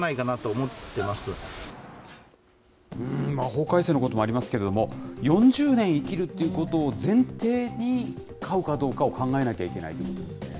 法改正のこともありますけれども、４０年生きるということを前提に、飼うかどうかを考えなきゃいけないということですね。